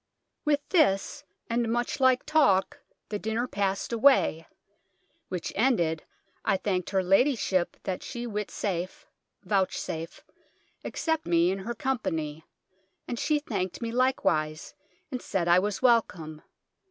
With this and moche like talke the dyner passyd away : which ended, I thanked her ladyship that she would witsafe (vouchsafe) accept me in hir com payne ; and she thanked me likewise, and sayd I was wellcome.